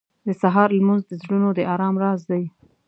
• د سهار لمونځ د زړونو د ارام راز دی.